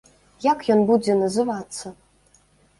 Як ён будзе называцца?